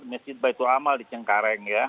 masjid baitul amal di cengkareng ya